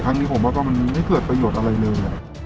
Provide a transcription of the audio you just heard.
นี้ผมว่าก็มันไม่เกิดประโยชน์อะไรเลย